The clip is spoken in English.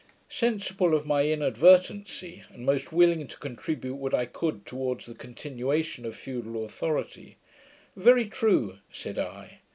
Sensible in my inadvertency, and most willing to contribute what I could towards the continuation of feudal authority, 'Very true,' said I.